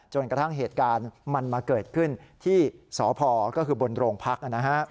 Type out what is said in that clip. กระทั่งเหตุการณ์มันมาเกิดขึ้นที่สพก็คือบนโรงพัก